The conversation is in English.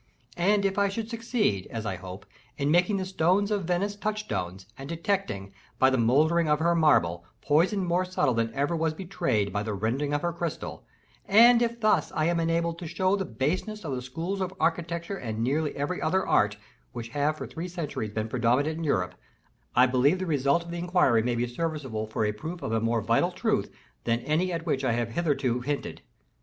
And if I should succeed, as I hope, in making the Stones of Venice touchstones, and detecting, by the mouldering of her marble, poison more subtle than ever was betrayed by the rending of her crystal; and if thus I am enabled to show the baseness of the schools of architecture and nearly every other art, which have for three centuries been predominant in Europe, I believe the result of the inquiry may be serviceable for proof of a more vital truth than any at which I have hitherto hinted.